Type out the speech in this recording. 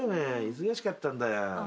忙しかったんだよ。